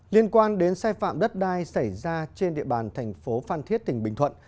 liên quan đến sai phạm đất đai xảy ra trên địa bàn thành phố phan thiết tỉnh bình thuận